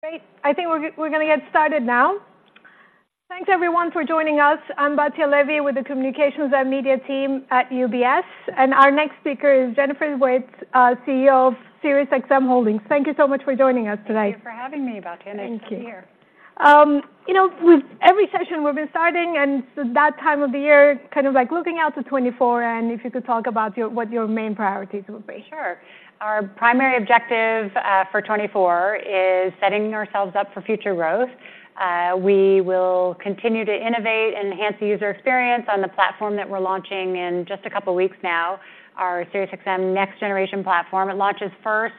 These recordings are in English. Great. I think we're gonna get started now. Thanks everyone for joining us. I'm Batya Levi with the communications and media team at UBS, and our next speaker is Jennifer Witz, CEO of SiriusXM Holdings. Thank you so much for joining us today. Thank you for having me, Batya. Thank you. Nice to be here. You know, with every session we've been starting, and it's that time of the year, kind of like looking out to 2024, and if you could talk about your, what your main priorities will be. Sure. Our primary objective, for 2024 is setting ourselves up for future growth. We will continue to innovate and enhance the user experience on the platform that we're launching in just a couple of weeks now, our SiriusXM next generation platform. It launches first,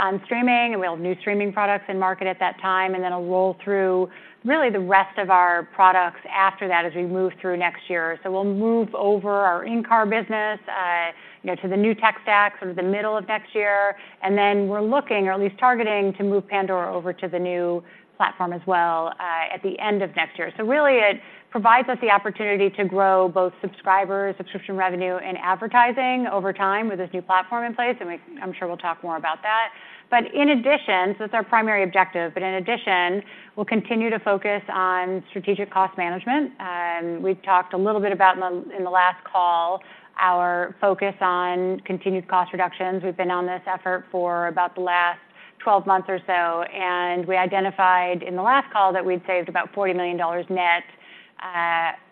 on streaming, and we have new streaming products in market at that time, and then it'll roll through really the rest of our products after that as we move through next year. So we'll move over our in-car business, you know, to the new tech stack sort of the middle of next year. And then we're looking or at least targeting to move Pandora over to the new platform as well, at the end of next year. So really, it provides us the opportunity to grow both subscribers, subscription revenue, and advertising over time with this new platform in place. And I'm sure we'll talk more about that. But in addition... So it's our primary objective, but in addition, we'll continue to focus on strategic cost management. And we've talked a little bit about in the, in the last call, our focus on continued cost reductions. We've been on this effort for about the last 12 months or so, and we identified in the last call that we'd saved about $40 million net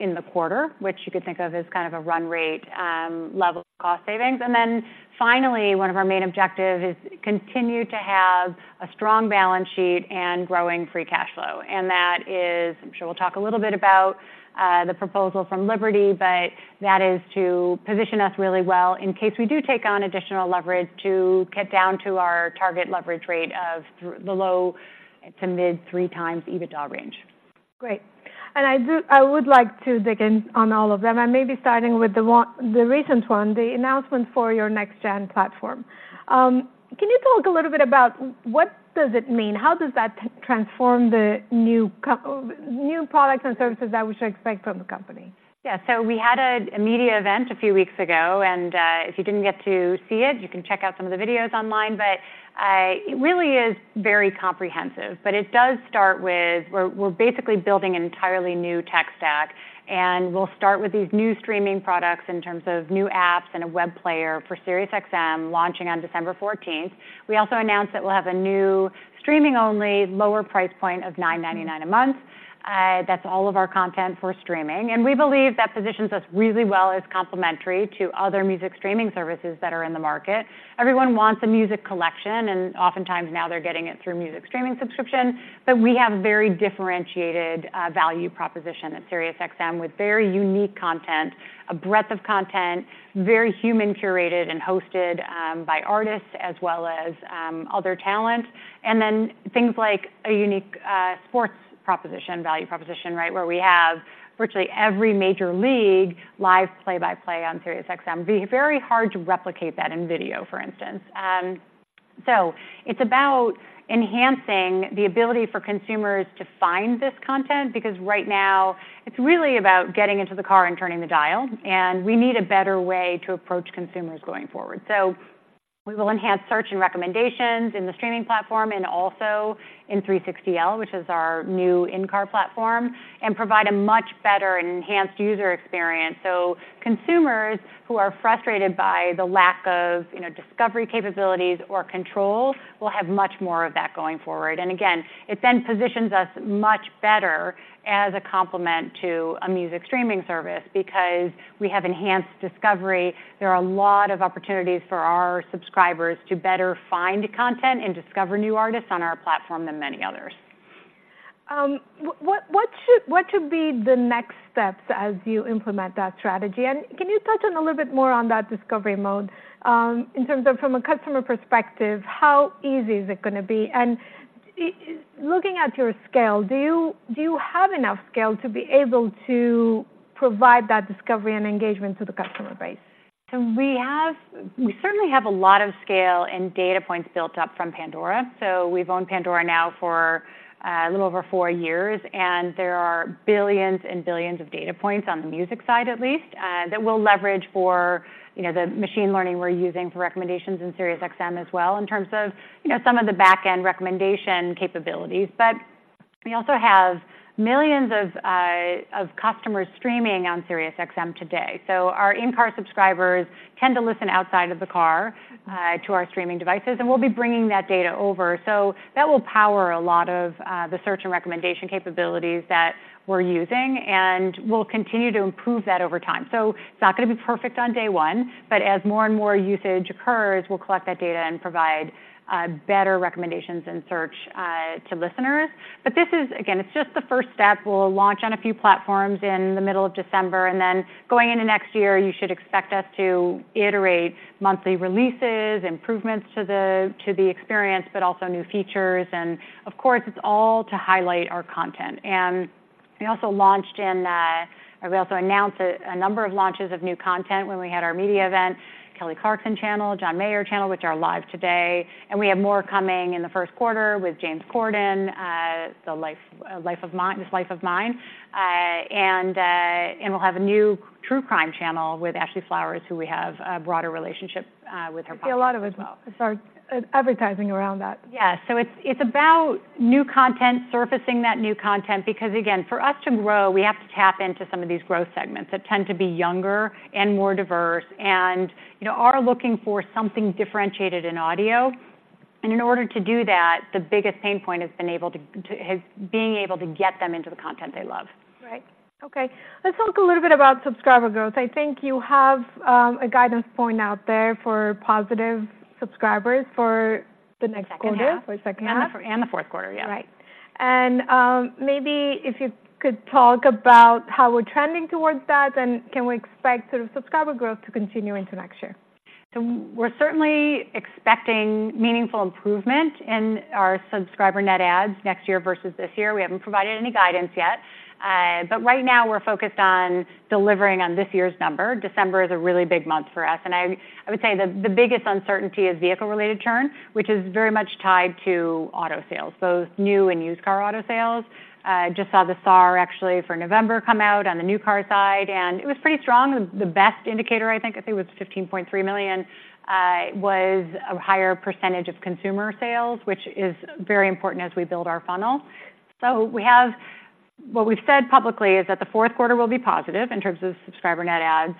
in the quarter, which you could think of as kind of a run rate level of cost savings. And then finally, one of our main objective is continue to have a strong balance sheet and growing free cash flow. That is, I'm sure we'll talk a little bit about the proposal from Liberty, but that is to position us really well in case we do take on additional leverage to get down to our target leverage rate of the low to mid three times EBITDA range. Great. I would like to dig in on all of them, and maybe starting with the one, the recent one, the announcement for your next gen platform. Can you talk a little bit about what it means? How does that transform the new products and services that we should expect from the company? Yeah. So we had a media event a few weeks ago, and if you didn't get to see it, you can check out some of the videos online. But it really is very comprehensive, but it does start with we're basically building an entirely new tech stack, and we'll start with these new streaming products in terms of new apps and a web player for SiriusXM, launching on December fourteenth. We also announced that we'll have a new streaming-only, lower price point of $9.99 a month. That's all of our content for streaming, and we believe that positions us really well as complementary to other music streaming services that are in the market. Everyone wants a music collection, and oftentimes now they're getting it through music streaming subscription. But we have a very differentiated value proposition at SiriusXM with very unique content, a breadth of content, very human curated and hosted by artists as well as other talent. And then things like a unique sports proposition, value proposition, right, where we have virtually every major league live play-by-play on SiriusXM. It'd be very hard to replicate that in video, for instance. So it's about enhancing the ability for consumers to find this content, because right now it's really about getting into the car and turning the dial, and we need a better way to approach consumers going forward. So we will enhance search and recommendations in the streaming platform and also in 360L, which is our new in-car platform, and provide a much better and enhanced user experience. Consumers who are frustrated by the lack of, you know, discovery capabilities or controls will have much more of that going forward. Again, it then positions us much better as a complement to a music streaming service because we have enhanced discovery. There are a lot of opportunities for our subscribers to better find content and discover new artists on our platform than many others. What should be the next steps as you implement that strategy? And can you touch on a little bit more on that discovery mode, in terms of from a customer perspective, how easy is it gonna be? And looking at your scale, do you have enough scale to be able to provide that discovery and engagement to the customer base? We certainly have a lot of scale and data points built up from Pandora. So we've owned Pandora now for a little over four years, and there are billions and billions of data points on the music side at least that we'll leverage for, you know, the machine learning we're using for recommendations in SiriusXM as well, in terms of, you know, some of the back-end recommendation capabilities. But we also have millions of customers streaming on SiriusXM today. So our in-car subscribers tend to listen outside of the car to our streaming devices, and we'll be bringing that data over. So that will power a lot of the search and recommendation capabilities that we're using, and we'll continue to improve that over time. So it's not gonna be perfect on day one, but as more and more usage occurs, we'll collect that data and provide better recommendations and search to listeners. But this is, again, it's just the first step. We'll launch on a few platforms in the middle of December, and then going into next year, you should expect us to iterate monthly releases, improvements to the, to the experience, but also new features. And of course, it's all to highlight our content. And we also launched in... We also announced a number of launches of new content when we had our media event, Kelly Clarkson channel, John Mayer channel, which are live today, and we have more coming in the first quarter with James Corden, the life, life of mine, This Life of Mine. And we'll have a new true crime channel with Ashley Flowers, who we have a broader relationship with her partner as well. Yeah, a lot of it. Sorry, advertising around that. Yeah. So it's about new content, surfacing that new content, because, again, for us to grow, we have to tap into some of these growth segments that tend to be younger and more diverse, and, you know, are looking for something differentiated in audio. And in order to do that, the biggest pain point is being able to get them into the content they love. Right. Okay. Let's talk a little bit about subscriber growth. I think you have a guidance point out there for positive subscribers for the next quarter- Second half. For second half. The fourth quarter, yeah. Right. Maybe if you could talk about how we're trending towards that, and can we expect the subscriber growth to continue into next year? So we're certainly expecting meaningful improvement in our subscriber net adds next year versus this year. We haven't provided any guidance yet. But right now, we're focused on delivering on this year's number. December is a really big month for us, and I would say the biggest uncertainty is vehicle-related churn, which is very much tied to auto sales, both new and used car auto sales. Just saw the SAAR actually for November come out on the new car side, and it was pretty strong. The best indicator, I think it was $15.3 million, was a higher percentage of consumer sales, which is very important as we build our funnel. So we have what we've said publicly is that the fourth quarter will be positive in terms of subscriber net adds,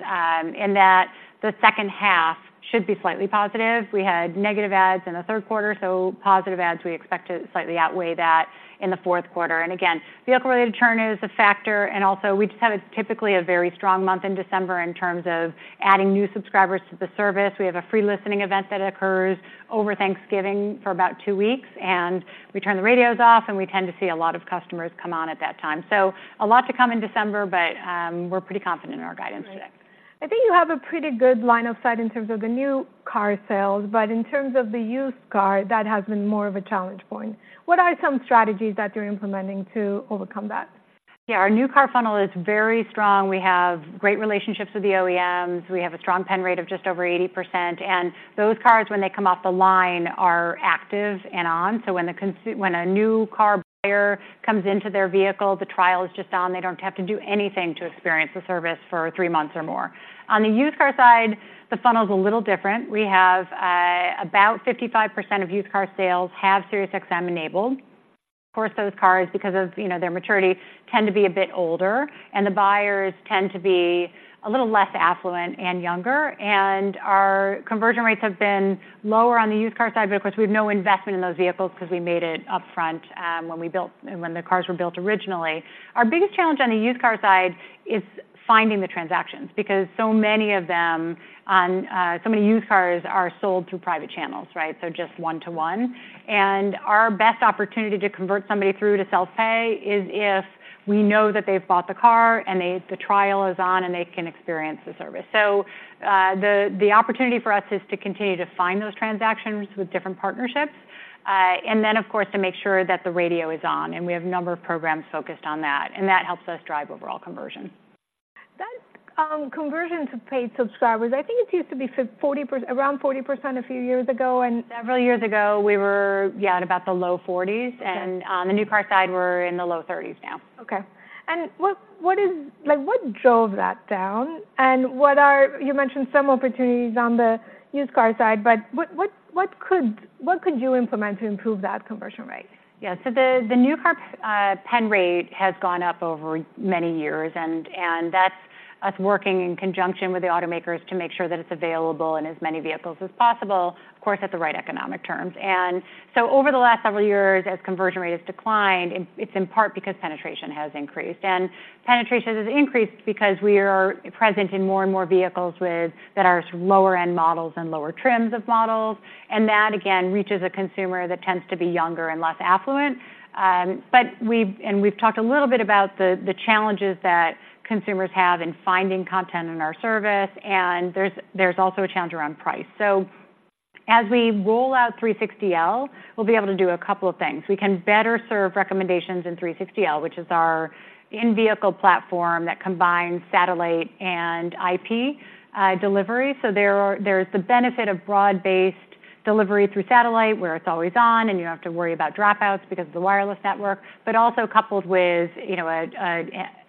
and that the second half should be slightly positive. We had negative adds in the third quarter, so positive adds, we expect to slightly outweigh that in the fourth quarter. And again, vehicle-related churn is a factor, and also we just have typically a very strong month in December in terms of adding new subscribers to the service. We have a free listening event that occurs over Thanksgiving for about two weeks, and we turn the radios off, and we tend to see a lot of customers come on at that time. So a lot to come in December, but we're pretty confident in our guidance today. Great. I think you have a pretty good line of sight in terms of the new car sales, but in terms of the used car, that has been more of a challenge point. What are some strategies that you're implementing to overcome that? Yeah, our new car funnel is very strong. We have great relationships with the OEMs. We have a strong pen rate of just over 80%, and those cars, when they come off the line, are active and on. So when a new car buyer comes into their vehicle, the trial is just on. They don't have to do anything to experience the service for three months or more. On the used car side, the funnel is a little different. We have about 55% of used car sales have SiriusXM enabled. Of course, those cars, because of, you know, their maturity, tend to be a bit older, and the buyers tend to be a little less affluent and younger, and our conversion rates have been lower on the used car side. But of course, we have no investment in those vehicles because we made it upfront, when we built—when the cars were built originally. Our biggest challenge on the used car side is finding the transactions, because so many of them on, so many used cars are sold through private channels, right? So just one-to-one. And our best opportunity to convert somebody through to self-pay is if we know that they've bought the car, and they, the trial is on, and they can experience the service. So, the, the opportunity for us is to continue to find those transactions with different partnerships, and then, of course, to make sure that the radio is on, and we have a number of programs focused on that, and that helps us drive overall conversion. That, conversion to paid subscribers, I think it used to be 40, around 40% a few years ago, and- Several years ago, we were, yeah, at about the low 40s. Okay. The new car side, we're in the low 30s now. Okay. And what is... Like, what drove that down? And what are—you mentioned some opportunities on the used car side, but what could you implement to improve that conversion rate? Yeah. So the new car pen rate has gone up over many years, and that's us working in conjunction with the automakers to make sure that it's available in as many vehicles as possible, of course, at the right economic terms. And so over the last several years, as conversion rate has declined, it's in part because penetration has increased. And penetration has increased because we are present in more and more vehicles that are lower-end models and lower trims of models, and that again reaches a consumer that tends to be younger and less affluent. But we've talked a little bit about the challenges that consumers have in finding content in our service, and there's also a challenge around price. So as we roll out 360L, we'll be able to do a couple of things. We can better serve recommendations in 360L, which is our in-vehicle platform that combines satellite and IP delivery. So there's the benefit of broad-based delivery through satellite, where it's always on and you don't have to worry about dropouts because of the wireless network, but also coupled with, you know,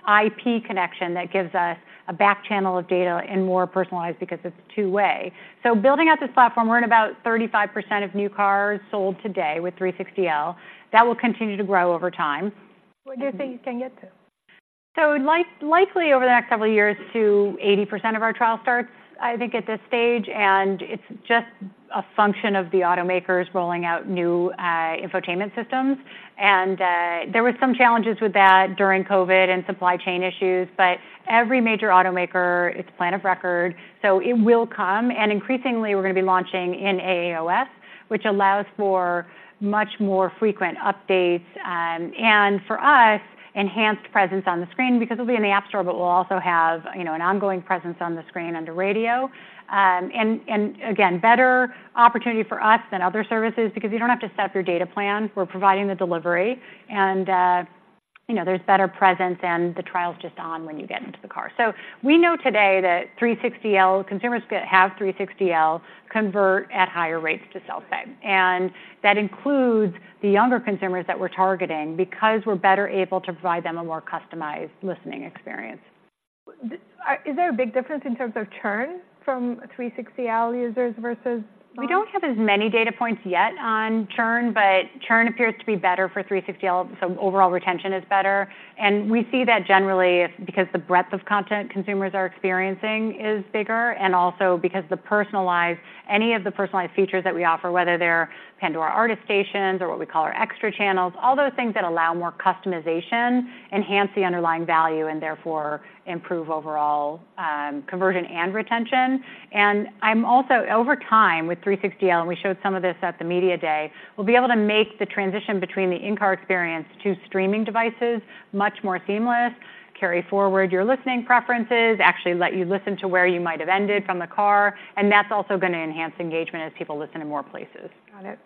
an IP connection that gives us a back channel of data and more personalized because it's two-way. So building out this platform, we're in about 35% of new cars sold today with 360L. That will continue to grow over time. Where do you think you can get to? So like, likely over the next several years, to 80% of our trial starts, I think, at this stage, and it's just a function of the automakers rolling out new infotainment systems. And there were some challenges with that during COVID and supply chain issues, but every major automaker, it's plan of record, so it will come. And increasingly, we're going to be launching in AAOS, which allows for much more frequent updates, and for us, enhanced presence on the screen because it'll be in the App Store, but we'll also have, you know, an ongoing presence on the screen under radio. And again, better opportunity for us than other services because you don't have to set up your data plan. We're providing the delivery, and you know, there's better presence, and the trial's just on when you get into the car. We know today that 360L, consumers who have 360L convert at higher rates to self-pay. That includes the younger consumers that we're targeting because we're better able to provide them a more customized listening experience. Is there a big difference in terms of churn from 360L users versus non? We don't have as many data points yet on churn, but churn appears to be better for 360L, so overall retention is better. And we see that generally, because the breadth of content consumers are experiencing is bigger, and also because the personalized, any of the personalized features that we offer, whether they're Pandora artist stations or what we call our extra channels, all those things that allow more customization, enhance the underlying value and therefore improve overall, conversion and retention. And I'm also over time, with 360L, and we showed some of this at the media day, we'll be able to make the transition between the in-car experience to streaming devices much more seamless, carry forward your listening preferences, actually let you listen to where you might have ended from the car, and that's also gonna enhance engagement as people listen in more places. Got it.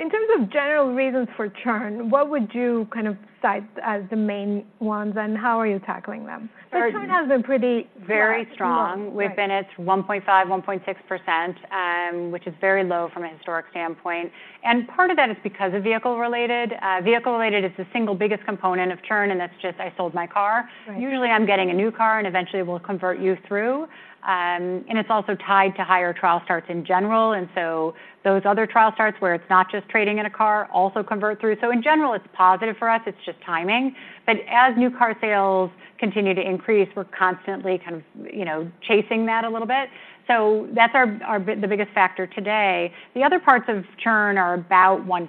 In terms of general reasons for churn, what would you kind of cite as the main ones, and how are you tackling them? Um- Churn has been pretty flat. Very strong. Right. We've been at 1.5%/1.6%, which is very low from a historic standpoint. Part of that is because of vehicle-related. Vehicle-related is the single biggest component of churn, and that's just, I sold my car. Right. Usually, I'm getting a new car, and eventually, we'll convert you through. And it's also tied to higher trial starts in general, and so those other trial starts, where it's not just trading in a car, also convert through. So in general, it's positive for us, it's just timing. But as new car sales continue to increase, we're constantly kind of, you know, chasing that a little bit. So that's our, our big, the biggest factor today. The other parts of churn are about 1%,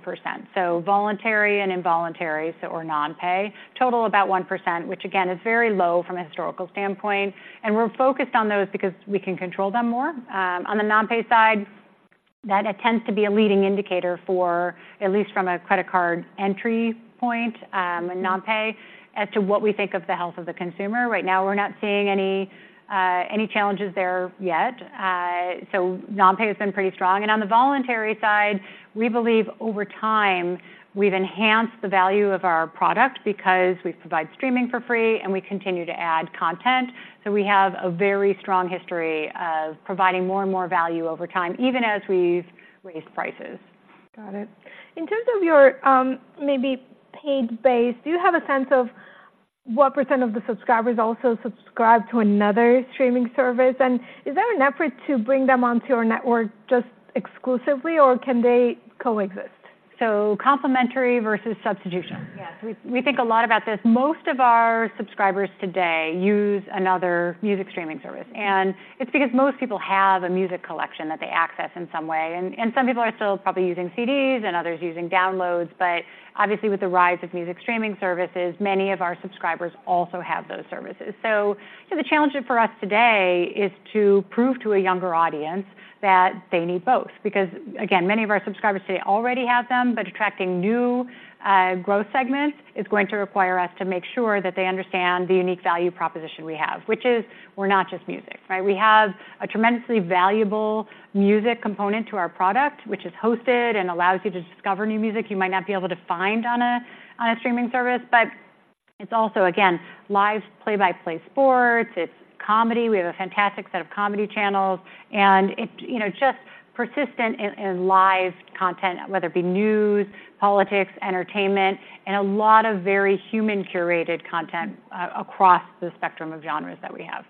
so voluntary and involuntary, so or non-pay, total about 1%, which again, is very low from a historical standpoint. And we're focused on those because we can control them more. On the non-pay side, that tends to be a leading indicator for, at least from a credit card entry point, non-pay, as to what we think of the health of the consumer. Right now, we're not seeing any challenges there yet. So non-pay has been pretty strong. And on the voluntary side, we believe over time, we've enhanced the value of our product because we provide streaming for free and we continue to add content. So we have a very strong history of providing more and more value over time, even as we've raised prices. Got it. In terms of your maybe paid base, do you have a sense of what percent of the subscribers also subscribe to another streaming service? Is there an effort to bring them onto your network just exclusively, or can they coexist? So complementary versus substitution? Yes. We think a lot about this. Most of our subscribers today use another music streaming service, and it's because most people have a music collection that they access in some way. And some people are still probably using CDs and others using downloads, but obviously, with the rise of music streaming services, many of our subscribers also have those services. So, you know, the challenge for us today is to prove to a younger audience that they need both. Because, again, many of our subscribers today already have them, but attracting new growth segments is going to require us to make sure that they understand the unique value proposition we have, which is we're not just music, right? We have a tremendously valuable music component to our product, which is hosted and allows you to discover new music you might not be able to find on a streaming service. But it's also, again, live play-by-play sports, it's comedy. We have a fantastic set of comedy channels, and it, you know, just persistent and live content, whether it be news, politics, entertainment, and a lot of very human-curated content across the spectrum of genres that we have.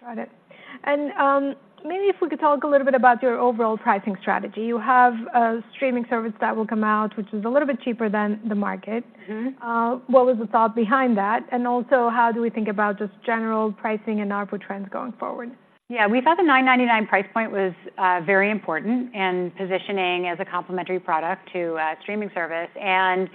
Got it. Maybe if we could talk a little bit about your overall pricing strategy. You have a streaming service that will come out, which is a little bit cheaper than the market. Mm-hmm. What was the thought behind that? And also, how do we think about just general pricing and ARPU trends going forward? Yeah, we thought the $9.99 price point was very important in positioning as a complementary product to a streaming service, and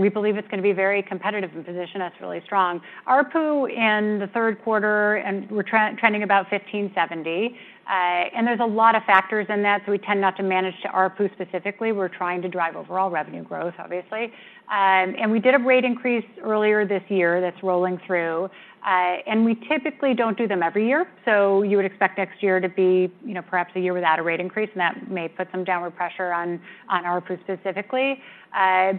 we believe it's gonna be very competitive and position us really strong. ARPU in the third quarter, and we're trending about $15.70. And there's a lot of factors in that, so we tend not to manage to ARPU specifically. We're trying to drive overall revenue growth, obviously. And we did a rate increase earlier this year that's rolling through. And we typically don't do them every year, so you would expect next year to be, you know, perhaps a year without a rate increase, and that may put some downward pressure on ARPU specifically.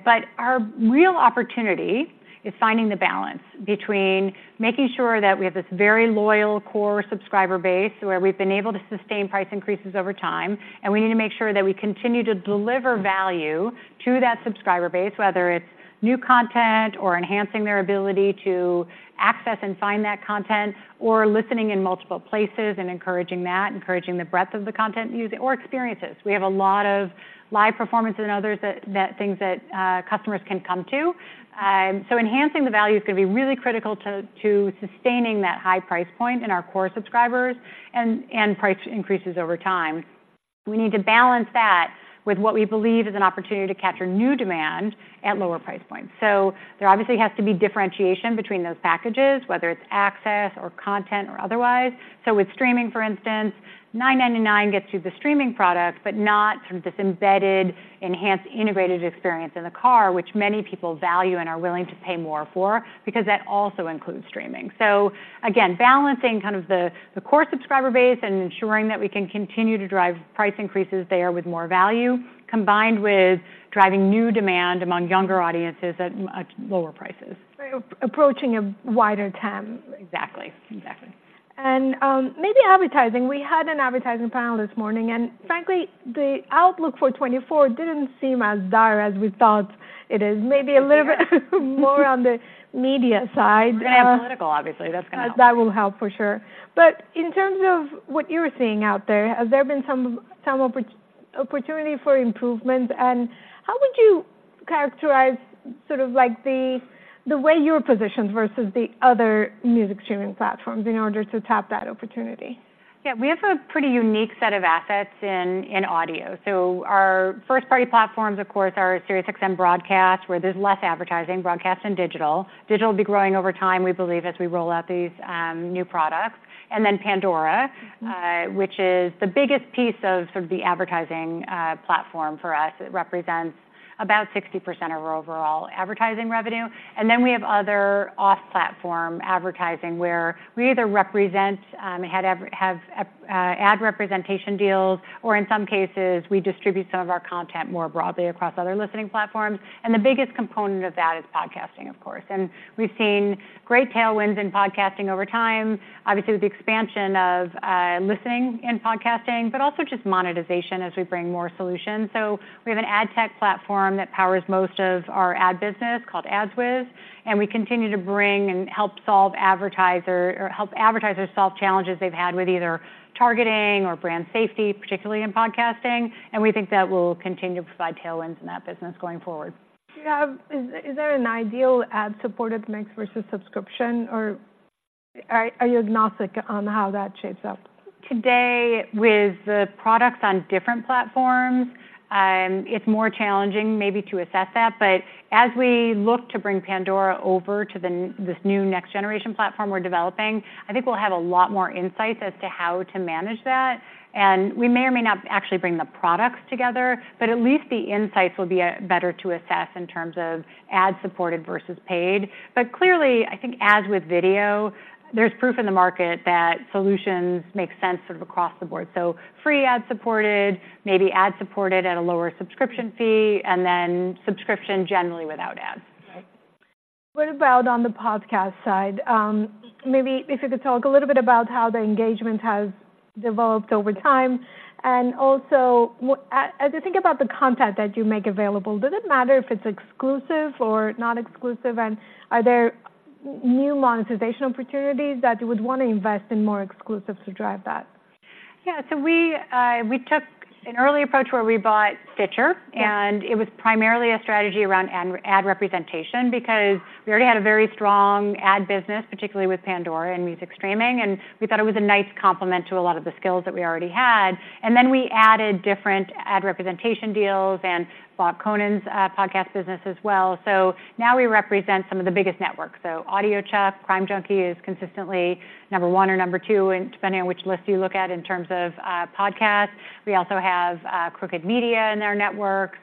But our real opportunity is finding the balance between making sure that we have this very loyal core subscriber base, where we've been able to sustain price increases over time, and we need to make sure that we continue to deliver value to that subscriber base, whether it's new content or enhancing their ability to access and find that content or listening in multiple places and encouraging that, encouraging the breadth of the content use or experiences. We have a lot of live performances and others that customers can come to. So enhancing the value is gonna be really critical to sustaining that high price point in our core subscribers and price increases over time. We need to balance that with what we believe is an opportunity to capture new demand at lower price points. So there obviously has to be differentiation between those packages, whether it's access or content or otherwise. So with streaming, for instance, $9.99 gets you the streaming product, but not sort of this embedded, enhanced, integrated experience in the car, which many people value and are willing to pay more for because that also includes streaming. So again, balancing kind of the core subscriber base and ensuring that we can continue to drive price increases there with more value, combined with driving new demand among younger audiences at much lower prices. Right. Approaching a wider TAM. Exactly. Exactly. Maybe advertising. We had an advertising panel this morning, and frankly, the outlook for 2024 didn't seem as dire as we thought it is. Yeah. Maybe a little bit more on the media side. We're gonna have political, obviously. That's gonna help. That will help for sure. But in terms of what you're seeing out there, have there been some opportunity for improvement? And how would you characterize sort of like the way you're positioned versus the other music streaming platforms in order to tap that opportunity? Yeah, we have a pretty unique set of assets in, in audio. So our first-party platforms, of course, are SiriusXM broadcast, where there's less advertising, broadcast and digital. Digital will be growing over time, we believe, as we roll out these new products. And then Pandora, which is the biggest piece of sort of the advertising platform for us. It represents about 60% of our overall advertising revenue. And then we have other off-platform advertising, where we either represent, have ad representation deals, or in some cases, we distribute some of our content more broadly across other listening platforms. And the biggest component of that is podcasting, of course. And we've seen great tailwinds in podcasting over time. Obviously, with the expansion of listening in podcasting, but also just monetization as we bring more solutions. So we have an ad tech platform that powers most of our ad business, called AdsWizz, and we continue to bring and help solve advertiser... or help advertisers solve challenges they've had with either targeting or brand safety, particularly in podcasting, and we think that will continue to provide tailwinds in that business going forward. Is there an ideal ad-supported mix versus subscription, or are you agnostic on how that shapes up? Today, with the products on different platforms, it's more challenging maybe to assess that. But as we look to bring Pandora over to this new next generation platform we're developing, I think we'll have a lot more insights as to how to manage that, and we may or may not actually bring the products together, but at least the insights will be better to assess in terms of ad-supported versus paid. But clearly, I think as with video, there's proof in the market that solutions make sense sort of across the board. So free ad-supported, maybe ad-supported at a lower subscription fee, and then subscription generally without ads. Right. What about on the podcast side? Maybe if you could talk a little bit about how the engagement has developed over time. And also, as you think about the content that you make available, does it matter if it's exclusive or not exclusive? And are there new monetization opportunities that you would want to invest in more exclusives to drive that? Yeah. So we, we took an early approach where we bought Stitcher, and it was primarily a strategy around ad, ad representation, because we already had a very strong ad business, particularly with Pandora and music streaming, and we thought it was a nice complement to a lot of the skills that we already had. And then we added different ad representation deals and bought Conan's podcast business as well. So now we represent some of the biggest networks. So Audiochuck, Crime Junkie is consistently number one or number two, in, depending on which list you look at, in terms of podcasts. We also have Crooked Media in our networks,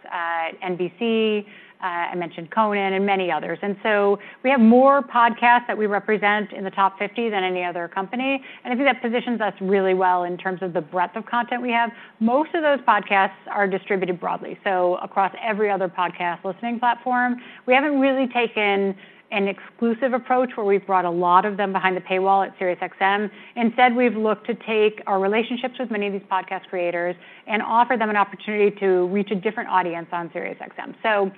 NBC, I mentioned Conan, and many others. And so we have more podcasts that we represent in the top 50 than any other company, and I think that positions us really well in terms of the breadth of content we have. Most of those podcasts are distributed broadly, so across every other podcast listening platform. We haven't really taken an exclusive approach, where we've brought a lot of them behind the paywall at SiriusXM. Instead, we've looked to take our relationships with many of these podcast creators and offer them an opportunity to reach a different audience on SiriusXM. So,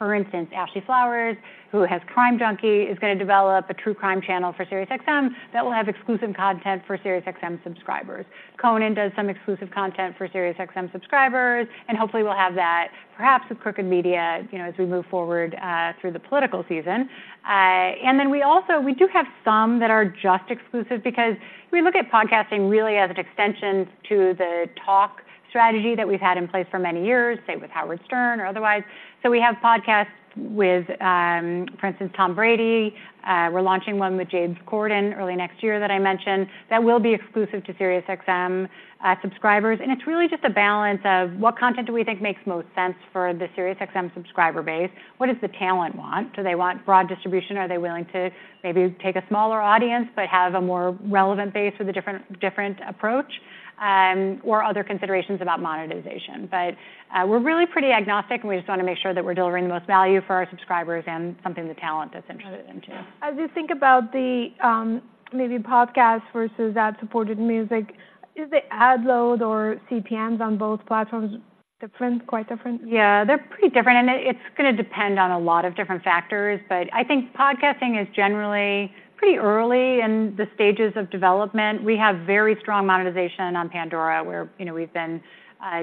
for instance, Ashley Flowers, who has Crime Junkie, is gonna develop a true crime channel for SiriusXM that will have exclusive content for SiriusXM subscribers. Conan does some exclusive content for SiriusXM subscribers, and hopefully we'll have that perhaps with Crooked Media, you know, as we move forward through the political season. And then we also do have some that are just exclusive because we look at podcasting really as an extension to the talk strategy that we've had in place for many years, say, with Howard Stern or otherwise. So we have podcasts with, for instance, Tom Brady. We're launching one with James Corden early next year that I mentioned. That will be exclusive to SiriusXM subscribers. And it's really just a balance of what content do we think makes most sense for the SiriusXM subscriber base? What does the talent want? Do they want broad distribution, or are they willing to maybe take a smaller audience, but have a more relevant base with a different, different approach, or other considerations about monetization. But, we're really pretty agnostic, and we just wanna make sure that we're delivering the most value for our subscribers and something the talent is interested in, too. As you think about the, maybe podcast versus ad-supported music, is the ad load or CPMs on both platforms different, quite different? Yeah, they're pretty different, and it, it's gonna depend on a lot of different factors. But I think podcasting is generally pretty early in the stages of development. We have very strong monetization on Pandora, where, you know, we've been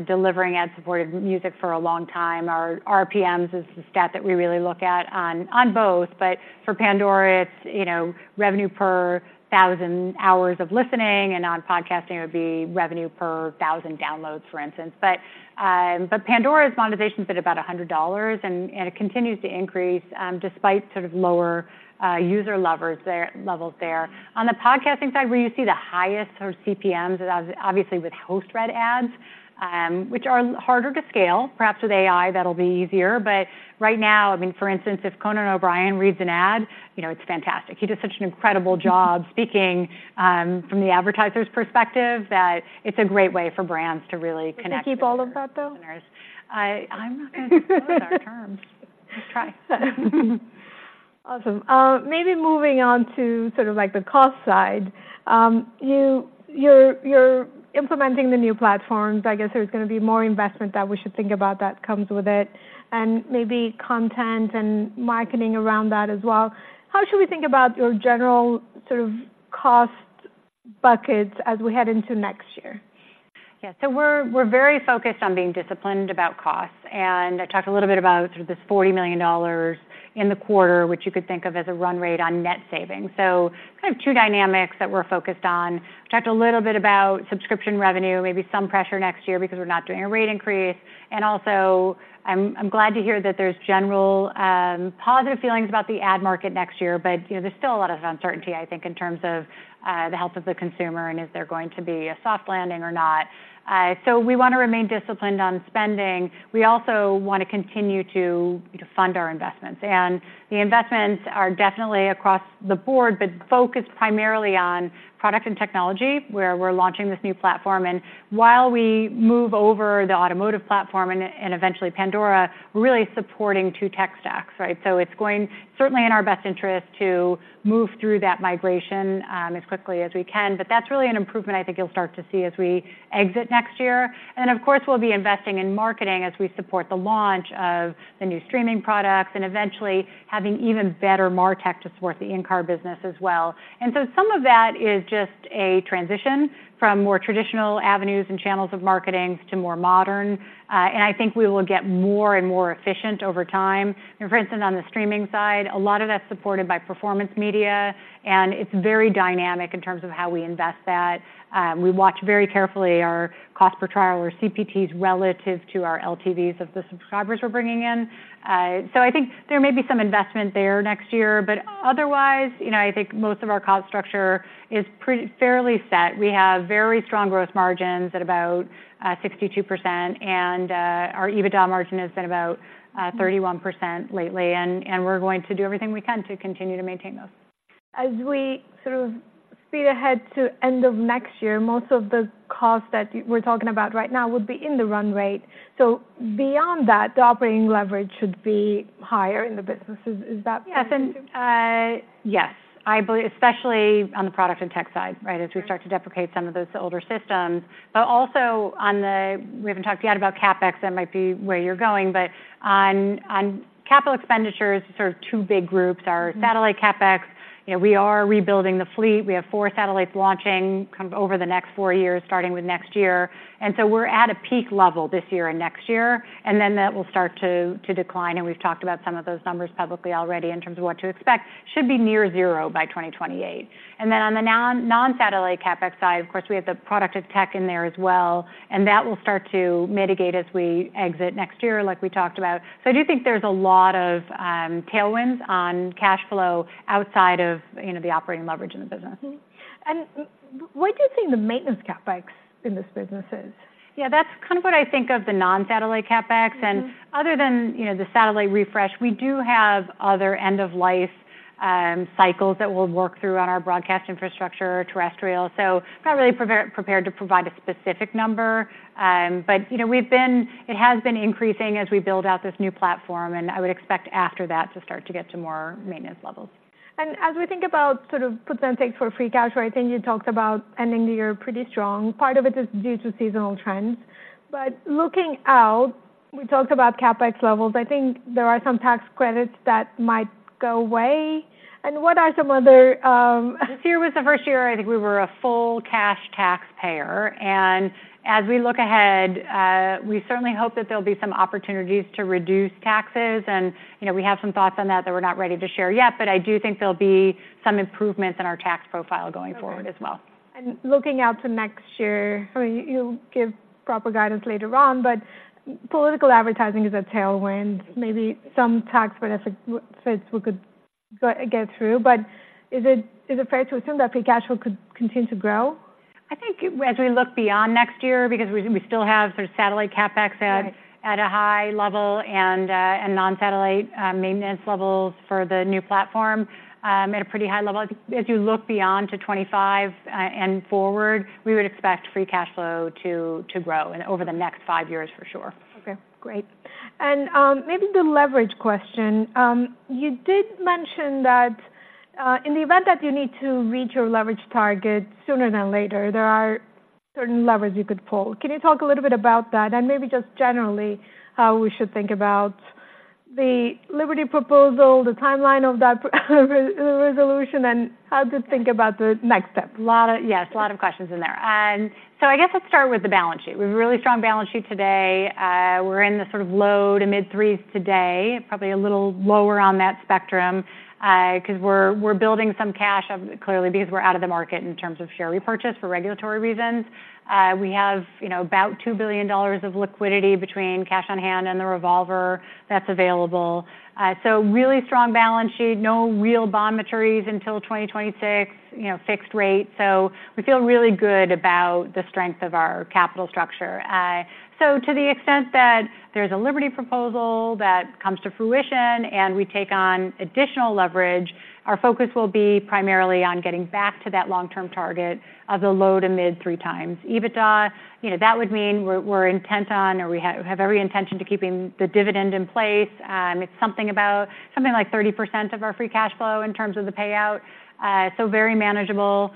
delivering ad-supported music for a long time. Our RPMs is the stat that we really look at on, on both, but for Pandora, it's, you know, revenue per thousand hours of listening, and on podcasting it would be revenue per thousand downloads, for instance. But, but Pandora's monetization's been about $100, and it continues to increase, despite sort of lower user levels there. On the podcasting side, where you see the highest sort of CPMs is obviously with host-read ads, which are harder to scale. Perhaps with AI, that'll be easier, but right now, I mean, for instance, if Conan O'Brien reads an ad, you know, it's fantastic. He does such an incredible job speaking, from the advertiser's perspective, that it's a great way for brands to really connect- Do they keep all of that, though?... I'm not gonna disclose our terms. Just try. Awesome. Maybe moving on to sort of like the cost side. You're implementing the new platforms. I guess there's gonna be more investment that we should think about that comes with it, and maybe content and marketing around that as well. How should we think about your general sort of cost buckets as we head into next year? Yeah, so we're very focused on being disciplined about costs. I talked a little bit about sort of this $40 million in the quarter, which you could think of as a run rate on net savings. So kind of two dynamics that we're focused on. I talked a little bit about subscription revenue, maybe some pressure next year because we're not doing a rate increase. Also, I'm glad to hear that there's general positive feelings about the ad market next year, but you know, there's still a lot of uncertainty, I think, in terms of the health of the consumer and is there going to be a soft landing or not. So we want to remain disciplined on spending. We also want to continue to fund our investments. And the investments are definitely across the board, but focused primarily on product and technology, where we're launching this new platform. And while we move over the automotive platform and eventually Pandora, we're really supporting two tech stacks, right? So it's going certainly in our best interest to move through that migration, as quickly as we can. But that's really an improvement I think you'll start to see as we exit next year. And then, of course, we'll be investing in marketing as we support the launch of the new streaming products and eventually having even better martech to support the in-car business as well. And so some of that is just a transition from more traditional avenues and channels of marketing to more modern, and I think we will get more and more efficient over time. For instance, on the streaming side, a lot of that's supported by performance media, and it's very dynamic in terms of how we invest that. We watch very carefully our cost per trial or CPTs relative to our LTVs of the subscribers we're bringing in. So I think there may be some investment there next year, but otherwise, you know, I think most of our cost structure is fairly set. We have very strong gross margins at about 62%, and our EBITDA margin has been about 31% lately, and we're going to do everything we can to continue to maintain those. As we sort of speed ahead to end of next year, most of the costs that we're talking about right now would be in the run rate. So beyond that, the operating leverage should be higher in the business. Is that- Yes. Yes. I believe, especially on the product and tech side, right? As we start to deprecate some of those older systems. But also on the... We haven't talked yet about CapEx, that might be where you're going, but on, on capital expenditures, sort of two big groups, our satellite CapEx, you know, we are rebuilding the fleet. We have four satellites launching kind of over the next four years, starting with next year. And so we're at a peak level this year and next year, and then that will start to, to decline, and we've talked about some of those numbers publicly already in terms of what to expect. Should be near zero by 2028. And then on the non-satellite CapEx side, of course, we have the product of tech in there as well, and that will start to mitigate as we exit next year, like we talked about. So I do think there's a lot of tailwinds on cash flow outside of, you know, the operating leverage in the business. Mm-hmm. And what do you think the maintenance CapEx in this business is? Yeah, that's kind of what I think of the non-satellite CapEx. Mm-hmm. Other than, you know, the satellite refresh, we do have other end-of-life cycles that we'll work through on our broadcast infrastructure, terrestrial. So not really prepared to provide a specific number, but you know, it has been increasing as we build out this new platform, and I would expect after that to start to get to more maintenance levels. And as we think about sort of puts and takes for free cash flow, I think you talked about ending the year pretty strong. Part of it is due to seasonal trends. But looking out, we talked about CapEx levels. I think there are some tax credits that might go away. And what are some other? This year was the first year I think we were a full cash taxpayer. As we look ahead, we certainly hope that there'll be some opportunities to reduce taxes. You know, we have some thoughts on that that we're not ready to share yet, but I do think there'll be some improvements in our tax profile going forward as well. Looking out to next year, I mean, you'll give proper guidance later on, but political advertising is a tailwind, maybe some tax benefits with this we could get through. But is it, is it fair to assume that free cash flow could continue to grow? I think as we look beyond next year, because we still have sort of satellite CapEx at- Right... at a high level and, and non-satellite maintenance levels for the new platform, at a pretty high level. I think as you look beyond to 2025 and forward, we would expect free cash flow to, to grow, and over the next five years, for sure. Okay, great. And maybe the leverage question. You did mention that in the event that you need to reach your leverage target sooner than later, there are certain levers you could pull. Can you talk a little bit about that? And maybe just generally, how we should think about the Liberty proposal, the timeline of that, resolution, and how to think about the next step? Yes, a lot of questions in there. So I guess let's start with the balance sheet. We have a really strong balance sheet today. We're in the sort of low- to mid-3s today, probably a little lower on that spectrum, 'cause we're building some cash, clearly, because we're out of the market in terms of share repurchase for regulatory reasons. We have, you know, about $2 billion of liquidity between cash on hand and the revolver that's available. So really strong balance sheet, no real bond maturities until 2026, you know, fixed rate. So we feel really good about the strength of our capital structure. So to the extent that there's a Liberty proposal that comes to fruition and we take on additional leverage, our focus will be primarily on getting back to that long-term target of the low- to mid-3x EBITDA. You know, that would mean we're intent on, or we have every intention to keeping the dividend in place. It's something like 30% of our free cash flow in terms of the payout, so very manageable.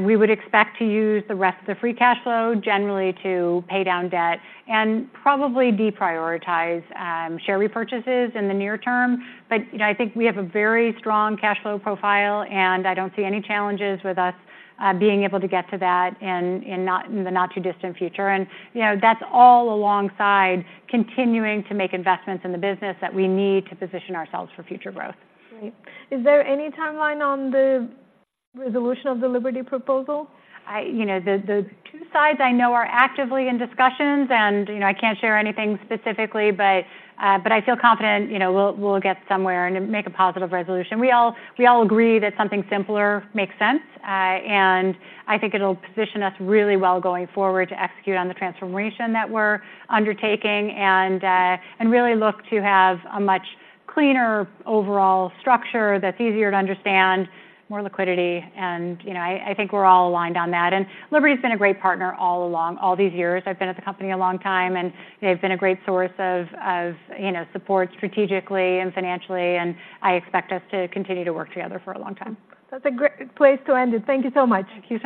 We would expect to use the rest of the free cash flow generally to pay down debt and probably deprioritize share repurchases in the near term. But, you know, I think we have a very strong cash flow profile, and I don't see any challenges with us being able to get to that in the not-too-distant future. You know, that's all alongside continuing to make investments in the business that we need to position ourselves for future growth. Great. Is there any timeline on the resolution of the Liberty proposal? You know, the two sides I know are actively in discussions, and, you know, I can't share anything specifically, but I feel confident, you know, we'll get somewhere and make a positive resolution. We all agree that something simpler makes sense, and I think it'll position us really well going forward to execute on the transformation that we're undertaking, and really look to have a much cleaner overall structure that's easier to understand, more liquidity. You know, I think we're all aligned on that. Liberty's been a great partner all along, all these years. I've been at the company a long time, and they've been a great source of, you know, support strategically and financially, and I expect us to continue to work together for a long time. That's a great place to end it. Thank you so much. Thank you so much.